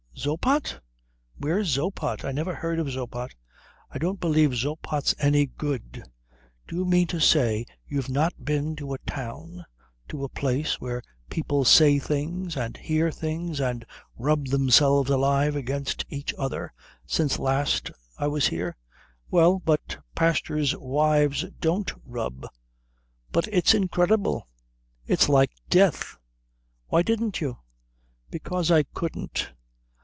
"Zoppot? Where's Zoppot? I never heard of Zoppot. I don't believe Zoppot's any good. Do you mean to say you've not been to a town, to a place where people say things and hear things and rub themselves alive against each other, since last I was here?" "Well, but pastors' wives don't rub." "But it's incredible! It's like death. Why didn't you?" "Because I couldn't."